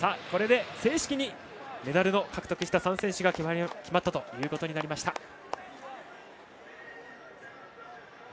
これで正式にメダルを獲得した３選手が決まったということになりました。